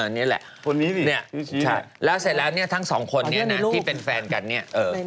นี่แหละแล้วเสร็จแล้วทั้ง๒คนนี้นะที่เป็นแฟนกันนี่